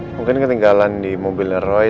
mungkin ketinggalan di mobilnya roy